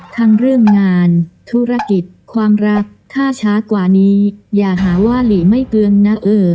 ทั้งเรื่องงานธุรกิจความรักถ้าช้ากว่านี้อย่าหาว่าหลีไม่เปลืองนะเออ